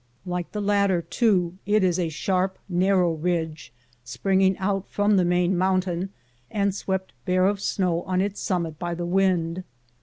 Like the latter, too, it is a sharp, narrow ridge springing out from the main mountain, and swept bare or snow on its summit by the wind.